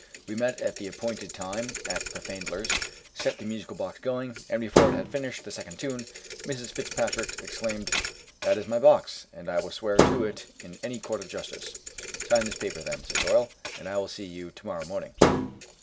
We met at the appointed time at Pfaendler's, set the musical box going, and before it had finished the second tune, Mrs. Fitzpatrick exclaimed, "That is my box, and I will swear to it in any court of Justice!" "Sign this paper, then," said Doyle, "and I will see you to morrow morning."